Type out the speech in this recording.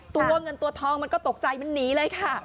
ตัวเงินตัวทองมันก็ตกใจมันหนีเลยค่ะ